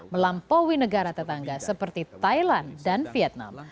melampaui negara tetangga seperti thailand dan vietnam